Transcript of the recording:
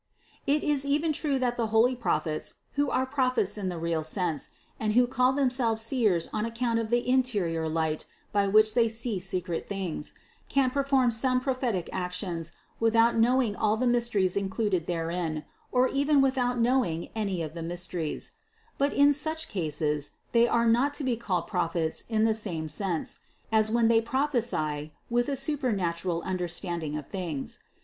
It is even true that the holy Prophets, who are prophets in the real sense, and who call themselves seers on account of the interior light by which they see secret things, can perform some prophetic actions without knowing all the mysteries included therein, or even without knowing any of the mysteries ; but in such cases they are not to be called prophets in the same sense, as when they prophesy with a supernatural understanding 492 CITY OF GOD of things.